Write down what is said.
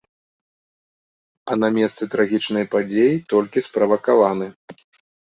А на месцы трагічнай падзеі толькі справакаваны.